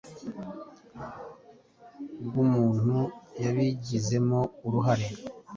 bwumuntu yabigizemo uruhare.